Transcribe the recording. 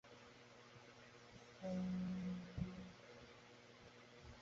নিজের রূপে ফিরে গেলে যে জীবনের স্বপ্ন দেখেছিলাম, তা পাবো আমি।